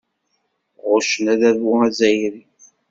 Ɣuccen adabu azzayri.